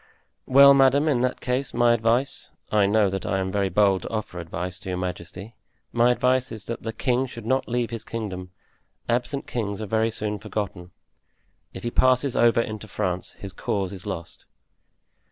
"Well, madame, in that case, my advice—I know that I am very bold to offer advice to your majesty—my advice is that the king should not leave his kingdom. Absent kings are very soon forgotten; if he passes over into France his cause is lost."